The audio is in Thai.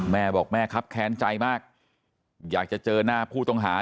แม่บอกแม่ครับแค้นใจมากอยากจะเจอหน้าผู้ต้องหา